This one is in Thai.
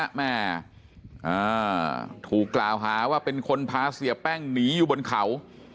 แม่อ่าถูกกล่าวหาว่าเป็นคนพาเสียแป้งหนีอยู่บนเขา